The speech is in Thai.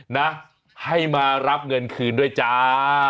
นะให้มารับเงินคืนด้วยจ้า